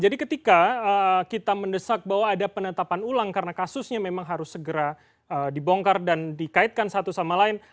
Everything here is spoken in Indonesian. jadi ketika kita mendesak bahwa ada penetapan ulang karena kasusnya memang harus segera dibongkar dan dikaitkan satu sama lain